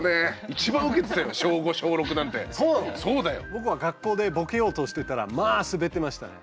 僕は学校でボケようとしてたらまあスベってましたね。